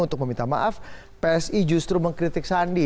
untuk meminta maaf psi justru mengkritik sandi